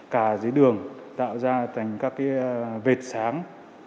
cả dưới đường tạo ra thành các vệt sáng